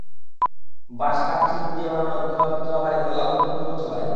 বাঁশ, কাঠ, টিন দিয়ে বানানো দোতলা, তিনতলা বাড়িগুলোতে আগুন খুব দ্রুত ছড়ায়।